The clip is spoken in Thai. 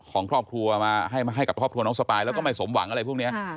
ของครอบครัวมาให้กับครอบครัวน้องสปายแล้วก็ไม่สมหวังอะไรพวกนี้